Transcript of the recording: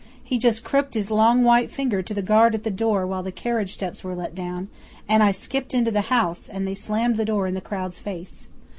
He just crooked his long white finger to the guard at the door while the carriage steps were let down, and I skipped into the house, and they slammed the door in the crowd's face.